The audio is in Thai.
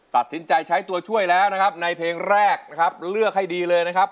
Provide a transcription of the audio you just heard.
ตัดสินใจใช้ตัวช่วยแล้วนะครับในเพลงแรกนะครับเลือกให้ดีเลยนะครับ